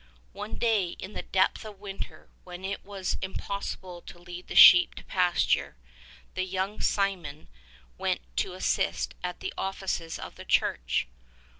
One day in the depth of winter when it was impossible to lead the sheep to pasture, the young Simeon went to assist at the Offices of the Church.